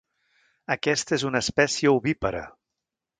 Aquesta és una espècie ovípara.